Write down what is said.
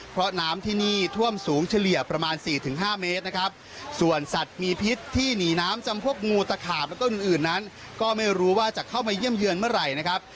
เพราะน้ำที่นี่ท่วมสูงเฉลี่ยประมาณสี่ถึงห้าเมตรนะครับส่วนสัตว์มีพิษที่หนีน้ำจำพวกงูตะขาบและต้นอื่นอื่นนั้นก็ไม่รู้ว่าจะเข้ามาเยี่ยมเยือนเมื่อไหร่นะครับ